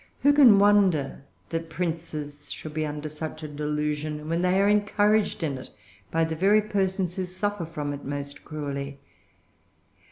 Who can wonder that princes should be under such a delusion, when they are encouraged in it by the very persons who suffer from it most cruelly?